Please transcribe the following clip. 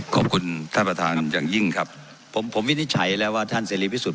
ขอบคุณท่านประธานอย่างยิ่งครับผมผมวินิจฉัยแล้วว่าท่านเสรีพิสุทธิ